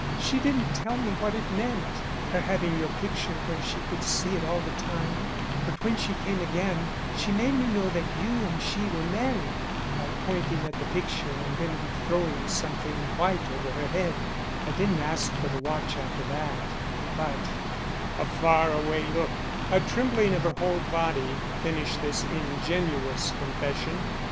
She didn't tell me what it meant, her having your picture where she could see it all the time, but when she came again she made me know that you and she were married, by pointing at the picture and then throwing something white over her head; I didn't ask for the watch after that, but " A far away look, a trembling of her whole body, finished this ingenuous confession.